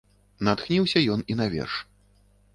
Натхніўся ён і на верш.